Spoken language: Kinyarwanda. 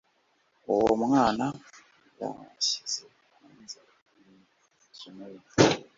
Uwo mwana yashyize hanze imikino ye.